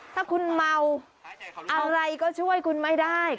ถ้าคุณเมาอะไรก็ช่วยคุณไม่ได้